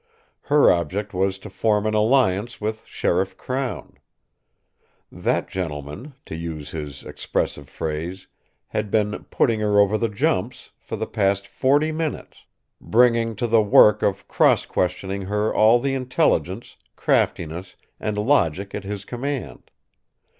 Her object was to form an alliance with Sheriff Crown. That gentleman, to use his expressive phrase, had been "putting her over the jumps" for the past forty minutes, bringing to the work of cross questioning her all the intelligence, craftiness and logic at his command.